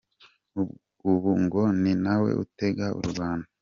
Ubu ngo ni nawe utegeka u Rwanda”.